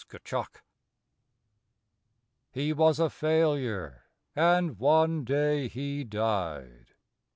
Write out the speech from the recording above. COMPASSION HE was a failure, and one day he died.